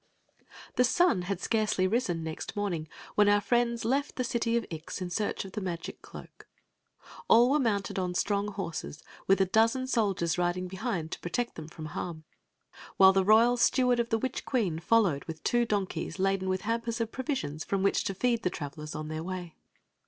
The sun had scarcely risen next morning when our friends left die city of I x in search of the magic cloak. All were mounted on strong horses, with a dozen sol diers riding behind to protect them from harm, while the royal steward of the witch queen followed with two donkeys laden with hampers of pr(»rmM» from which to feed the travelers on their way.